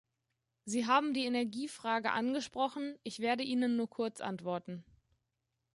Sie haben die Energiefrage angesprochen, ich werde Ihnen nur kurz antworten.